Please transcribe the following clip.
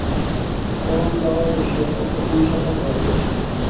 পরাণ দাওয়ায় বসিয়া অর্থসমস্যার কথা ভাবিতেছিল।